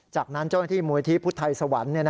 จากนั้นเจ้าหน้าที่มูลที่พุทธไทยสวรรค์